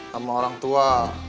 sama orang tua